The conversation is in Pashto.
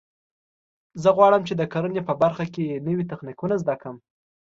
زه غواړم چې د کرنې په برخه کې نوي تخنیکونه زده کړم